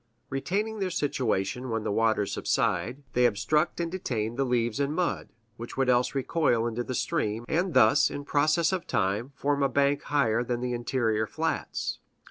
Retaining their situation when the waters subside, they obstruct and detain the leaves and mud, which would else recoil into the stream, and thus, in process of time, form a bank higher than the interior flats."